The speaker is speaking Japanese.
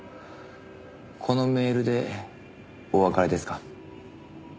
このメールでお別れですか？